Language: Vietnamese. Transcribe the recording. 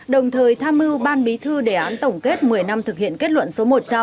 đồng thời tham mưu ban bí thư đề án tổng kết một mươi năm thực hiện kết luận số một trăm linh